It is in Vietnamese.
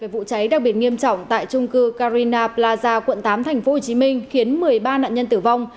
vụ cháy đặc biệt nghiêm trọng tại trung cư carina plaza quận tám tp hcm khiến một mươi ba nạn nhân tử vong